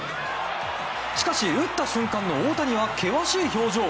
しかし、打った瞬間の大谷は険しい表情。